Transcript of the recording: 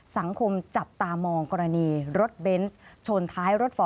สังคมจับตามองกรณีรถเบนส์ชนท้ายรถฝ่อ